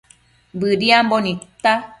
Bëdiambo nidta